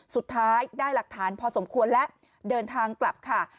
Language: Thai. สุดท้ายได้หลักฐานพอสมควรและเดินทางกลับค่ะ